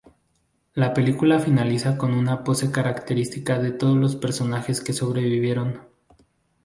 La película finaliza con una pose característica de todos los personajes que sobrevivieron.